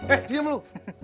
eh diam lu